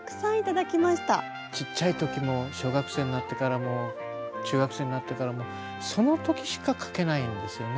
ちっちゃい時も小学生になってからも中学生になってからもその時しか描けないんですよね